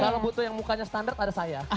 kalau butuh yang mukanya standar ada saya